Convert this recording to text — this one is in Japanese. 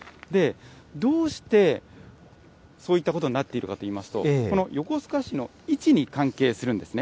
どうしてそういったことになっているかといいますと、この横須賀市の位置に関係するんですね。